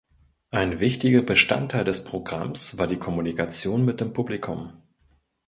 Ein wichtiger Bestandteil des Programms war die Kommunikation mit dem Publikum.